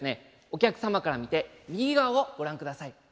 お客様から見て右側をご覧ください。